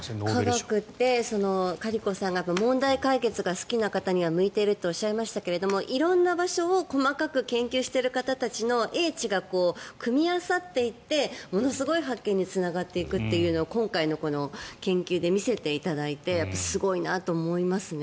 科学って、カリコさんが問題解決が好きな方には向いているとおっしゃいましたが色んな場所を細かく研究されている方の英知が組み合わさってものすごい発見につながるという今回の研究で見せていただいてすごいなと思いますね。